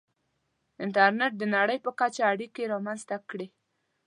• انټرنېټ د نړۍ په کچه اړیکې رامنځته کړې.